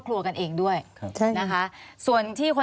ควิทยาลัยเชียร์สวัสดีครับ